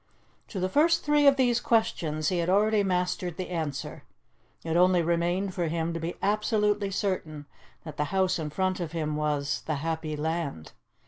To the first of these questions he had already mastered the answer; it only remained for him to be absolutely certain that the house in front of him was 'The Happy Land.'